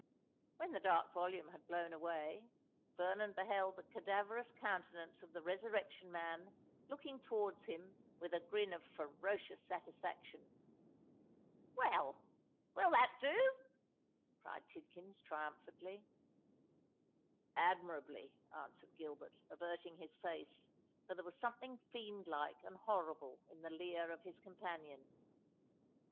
When the dark volume had blown away, Vernon beheld the cadaverous countenance of the Resurrection Man looking towards him with a grin of ferocious satisfaction. "Well—will that do?" cried Tidkins, triumphantly. "Admirably," answered Gilbert, averting his face—for there was something fiend like and horrible in the leer of his companion.